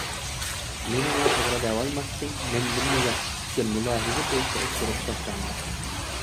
مېنىڭلا توغرا دەۋالماستىن، مەندىنمۇ ياخشى پىكىر، مۇلاھىزە بولسا ئوتتۇرىغا تاشلاڭلار.